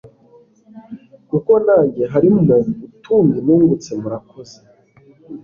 kuko nange harimo, utundi nungutse, murakoze